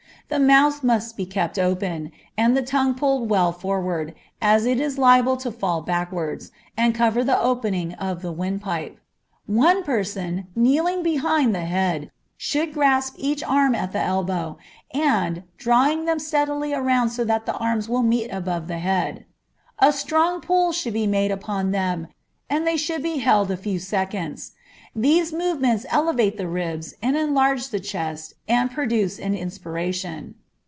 The mouth must be kept open, and the tongue pulled well forward, as it is liable to fall backwards, and cover the opening of the wind pipe. One person, kneeling behind the head, should grasp each arm at the elbow, and, draw them steadily around so that the arms will meet above the head. A strong pull should be made upon them, and they should be held a few seconds. These movements elevate the ribs and enlarge the chest and produce an inspiration.